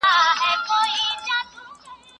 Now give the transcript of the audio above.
که ته په خپله املا کي اصلاحات راوړې.